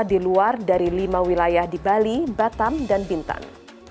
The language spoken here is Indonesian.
di luar dari lima wilayah di bali batam dan bintan